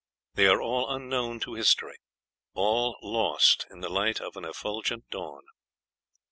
They are all unknown to history all lost in the light of an effulgent dawn."